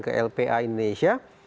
ke lpa indonesia